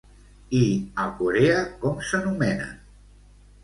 I a Corea com s'anomenen?